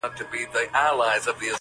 • یا سېلابونه یا زلزلې دي -